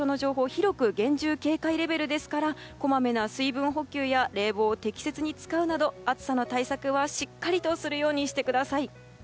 広く厳重警戒レベルですからこまめな水分補給や冷房を適切に使うなど暑さの対策は、しっかりとするようにしてください。